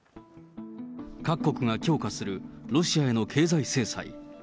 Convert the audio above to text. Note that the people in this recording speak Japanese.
各国が強化するロシアへの経済制裁。